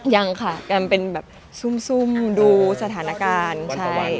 ยังค่ะเป็นแบบซุ่มดูสถานการณ์